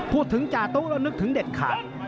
พูดถึงจาตุแล้วนึกถึงเด็ดขาด